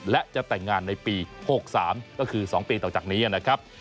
และจะแต่งงานในปี๖๓ก็คือ๒ปีต่อจากนี้นะครับ